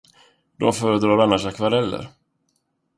De föredrar annars akvareller.